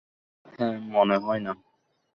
হ্যাঁ, মনে হয় না।